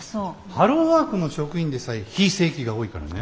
ハローワークの職員でさえ非正規が多いからね。